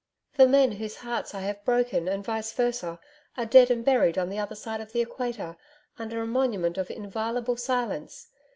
The men whose hearts I have broken and VICE VERSA are dead and buried on the other side of the Equator, under a monument of inviolable silence.